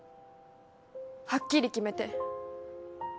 はっきり決めて！